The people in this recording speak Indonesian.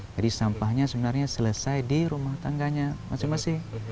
jadi sampahnya sebenarnya selesai di rumah tangganya masing masing